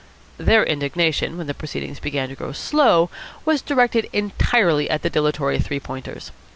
Their indignation, when the proceedings began to grow slow, was directed entirely at the dilatory Three Pointers.